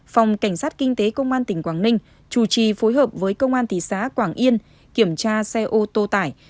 phòng cảnh sát kinh tế công an tỉnh quảng ninh chủ trì phối hợp với công an thị xã quảng yên kiểm tra xe ô tô tải